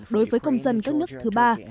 đối với công dân các nước thứ ba